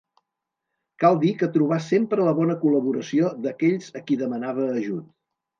Cal dir que trobà sempre la bona col·laboració d'aquells a qui demanava ajut.